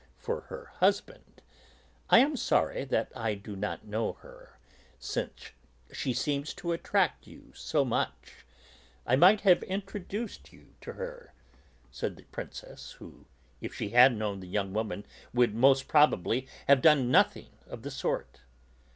for her husband! I am sorry that I do not know her, since she seems to attract you so much; I might have introduced you to her," said the Princess, who, if she had known the young woman, would most probably have done nothing of the sort.